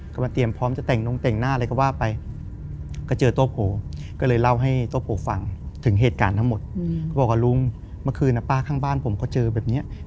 เขามาเป็นพร้อมจะแต่งหนูแต่งหน้าอะไรเขาว่าไป